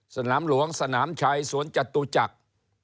สนามหลวงสนามชัยสวนจตุจักร